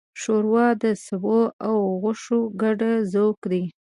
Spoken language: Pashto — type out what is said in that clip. ښوروا د سبو او غوښو ګډ ذوق دی.